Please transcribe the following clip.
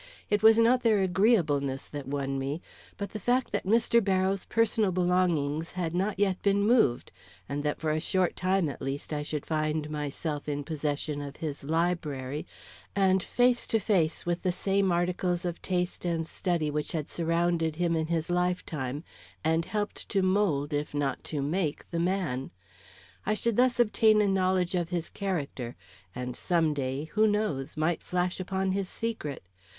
It was not their agreeableness that won me, but the fact that Mr. Barrows personal belongings had not yet been moved, and that for a short time at least I should find myself in possession of his library, and face to face with the same articles of taste and study which had surrounded him in his lifetime, and helped to mould, if not to make, the man. I should thus obtain a knowledge of his character, and some day, who knows, might flash upon his secret.